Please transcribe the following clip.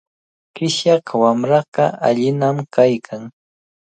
Qishyaq wamraqa allinami kaykan.